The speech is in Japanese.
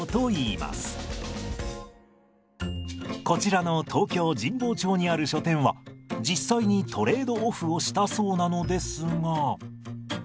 こちらの東京・神保町にある書店は実際にトレード・オフをしたそうなのですが。